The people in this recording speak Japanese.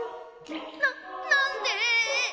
ななんで？